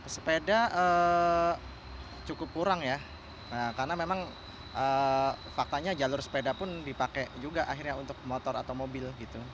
sepeda cukup kurang ya karena memang faktanya jalur sepeda pun dipakai juga akhirnya untuk motor atau mobil